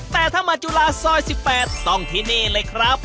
แต่ถ้ามาจุฬาซอย๑๘ต้องที่นี่เลยครับ